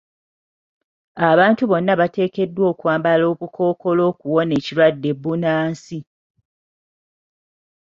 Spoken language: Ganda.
Abantu bonna bateekeddwa okwambala obukkookolo okuwona ekirwadde bbunansi.